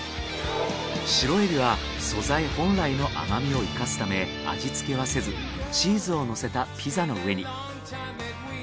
シロエビは素材本来の甘みを生かすため味つけはせずチーズをのせたピザの上に。